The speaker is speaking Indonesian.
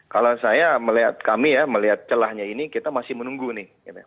kalau saya melihat kami ya melihat celahnya ini kita masih menunggu nih